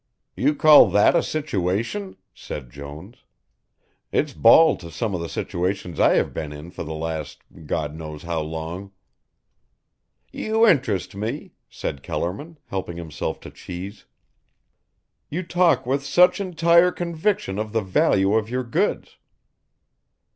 "You call that a situation," said Jones. "It's bald to some of the situations I have been in for the last God knows how long." "You interest me," said Kellerman, helping himself to cheese. "You talk with such entire conviction of the value of your goods."